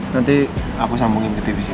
nanti aku sambungin ke tv sini